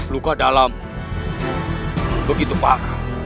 luka dalam begitu parah